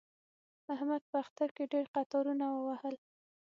احمد په اختر کې ډېر قطارونه ووهل.